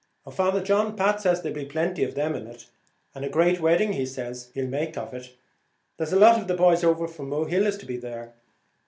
"Oh, Father John, Pat says there'll be plenty of them in it, and a great wedding he says he'll make it: there's a lot of the boys over from Mohill is to be there."